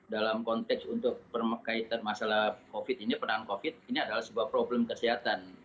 dalam konteks untuk kaitan masalah covid ini penanganan covid ini adalah sebuah problem kesehatan